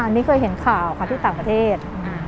นี่เคยเห็นข่าวค่ะที่ต่างประเทศ